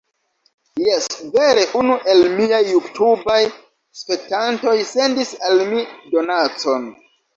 Jes, vere unu el miaj Jutubaj spektantoj sendis al mi donacon!